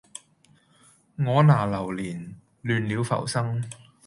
我拿流年，亂了浮生